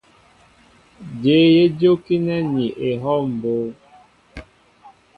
Jéé yé jókínέ ní ehɔw mbó.